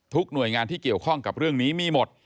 หน่วยงานที่เกี่ยวข้องกับเรื่องนี้มีหมด